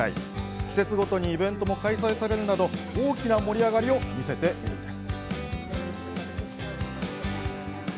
季節ごとにイベントも開催されるなど大きな盛り上がりを見せているんです。